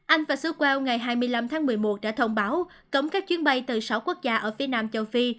anh và sứwell ngày hai mươi năm tháng một mươi một đã thông báo cấm các chuyến bay từ sáu quốc gia ở phía nam châu phi